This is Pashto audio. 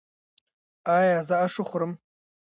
ایا زه اش وخورم؟